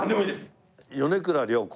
米倉涼子！